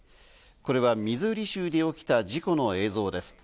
これはミズーリ州で起きた事故の映像です。